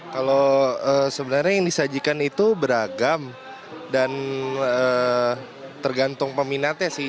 kalau sebenarnya yang disajikan itu beragam dan tergantung peminatnya sih